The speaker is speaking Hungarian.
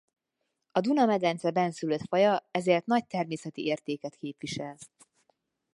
A Duna-medence bennszülött faja ezért nagy természeti értéket képvisel.